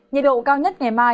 nhiệt độ cao nhất ngày mai